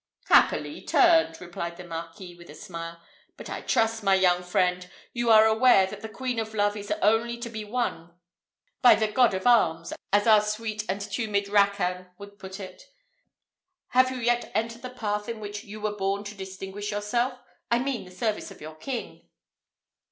"Happily turned!" replied the Marquis with a smile; "but I trust, my young friend, you are aware that the queen of love is only to be won by thes god of arms, as our sweet and tumid Raccan would put it. Have you yet entered the path in which you are born to distinguish yourself; I mean the service of your king?"